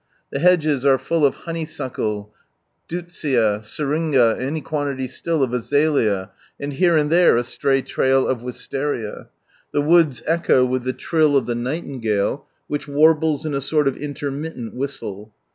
Tbe hedges are Aill of booeTSUcUe, detttua, sriinga, any quantity still of azalea, and here and there a stray trail oi wisteria. The woods echo with the trilt of the nightingale, ^lidb warUcs to a son of tntermittem whistle.